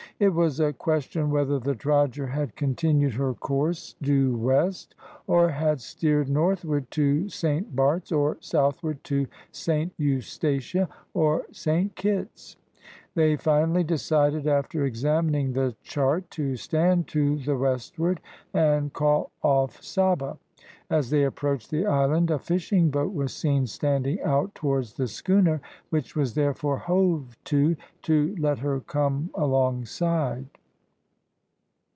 It was a question whether the drogher had continued her course due west, or had steered northward to Saint Barts, or southward to Saint Eustatia, or Saint Kitts. They finally decided after examining the chart, to stand to the westward, and call off Saba. As they approached the island a fishing boat was seen standing out towards the schooner, which was therefore hove to, to let her come alongside.